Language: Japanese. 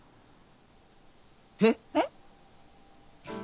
えっ？えっ？